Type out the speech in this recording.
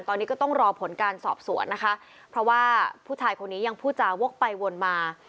ตอนนี้ก็ต้องรอผลการสอบสวนนะคะเพราะว่าผู้ชายคนนี้ยังพูดจาวกไปวนมา